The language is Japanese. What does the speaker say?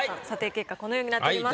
結果このようになってます。